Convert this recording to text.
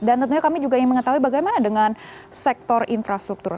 dan tentunya kami juga ingin mengetahui bagaimana dengan sektor infrastruktur